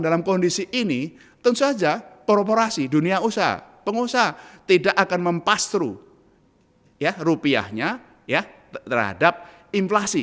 dalam kondisi ini tentu saja korporasi dunia usaha pengusaha tidak akan mempasru ya rupiahnya ya terhadap inflasi